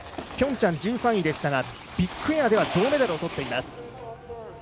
ピョンチャン１３位でしたがビッグエアでは銅メダルをとっています。